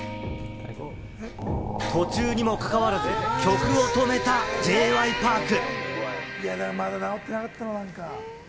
途中にも関わらず、曲を止めたＪ．Ｙ．Ｐａｒｋ。